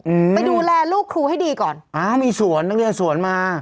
อืมไปดูแลลูกครูให้ดีก่อนอ้าวมีสวนนักเรียนสวนมา